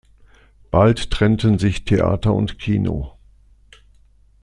Bald trennten sich Theater und Kino.